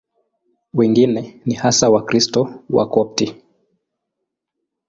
Wengine ni hasa Wakristo Wakopti.